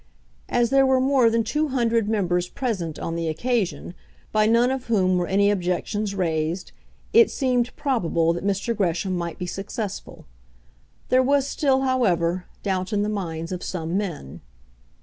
As there were more than two hundred members present on the occasion, by none of whom were any objections raised, it seemed probable that Mr. Gresham might be successful. There was still, however, doubt in the minds of some men.